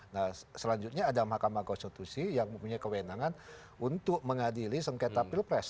nah selanjutnya ada mahkamah konstitusi yang mempunyai kewenangan untuk mengadili sengketa pilpres